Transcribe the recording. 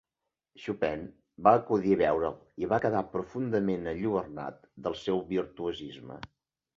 Chopin va acudir a veure'l i va quedar profundament enlluernat pel seu virtuosisme.